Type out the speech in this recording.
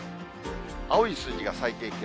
青い数字が最低気温。